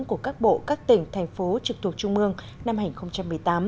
của các bộ các tỉnh thành phố trực thuộc trung mương năm hai nghìn một mươi tám